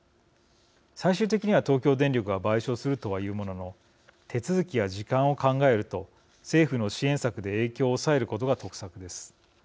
最終的には東京電力が賠償するとはいうものの手続きや時間を考えると政府の支援策で影響を抑えることが得策です。